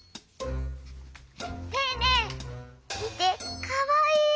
ねえねえみてかわいい！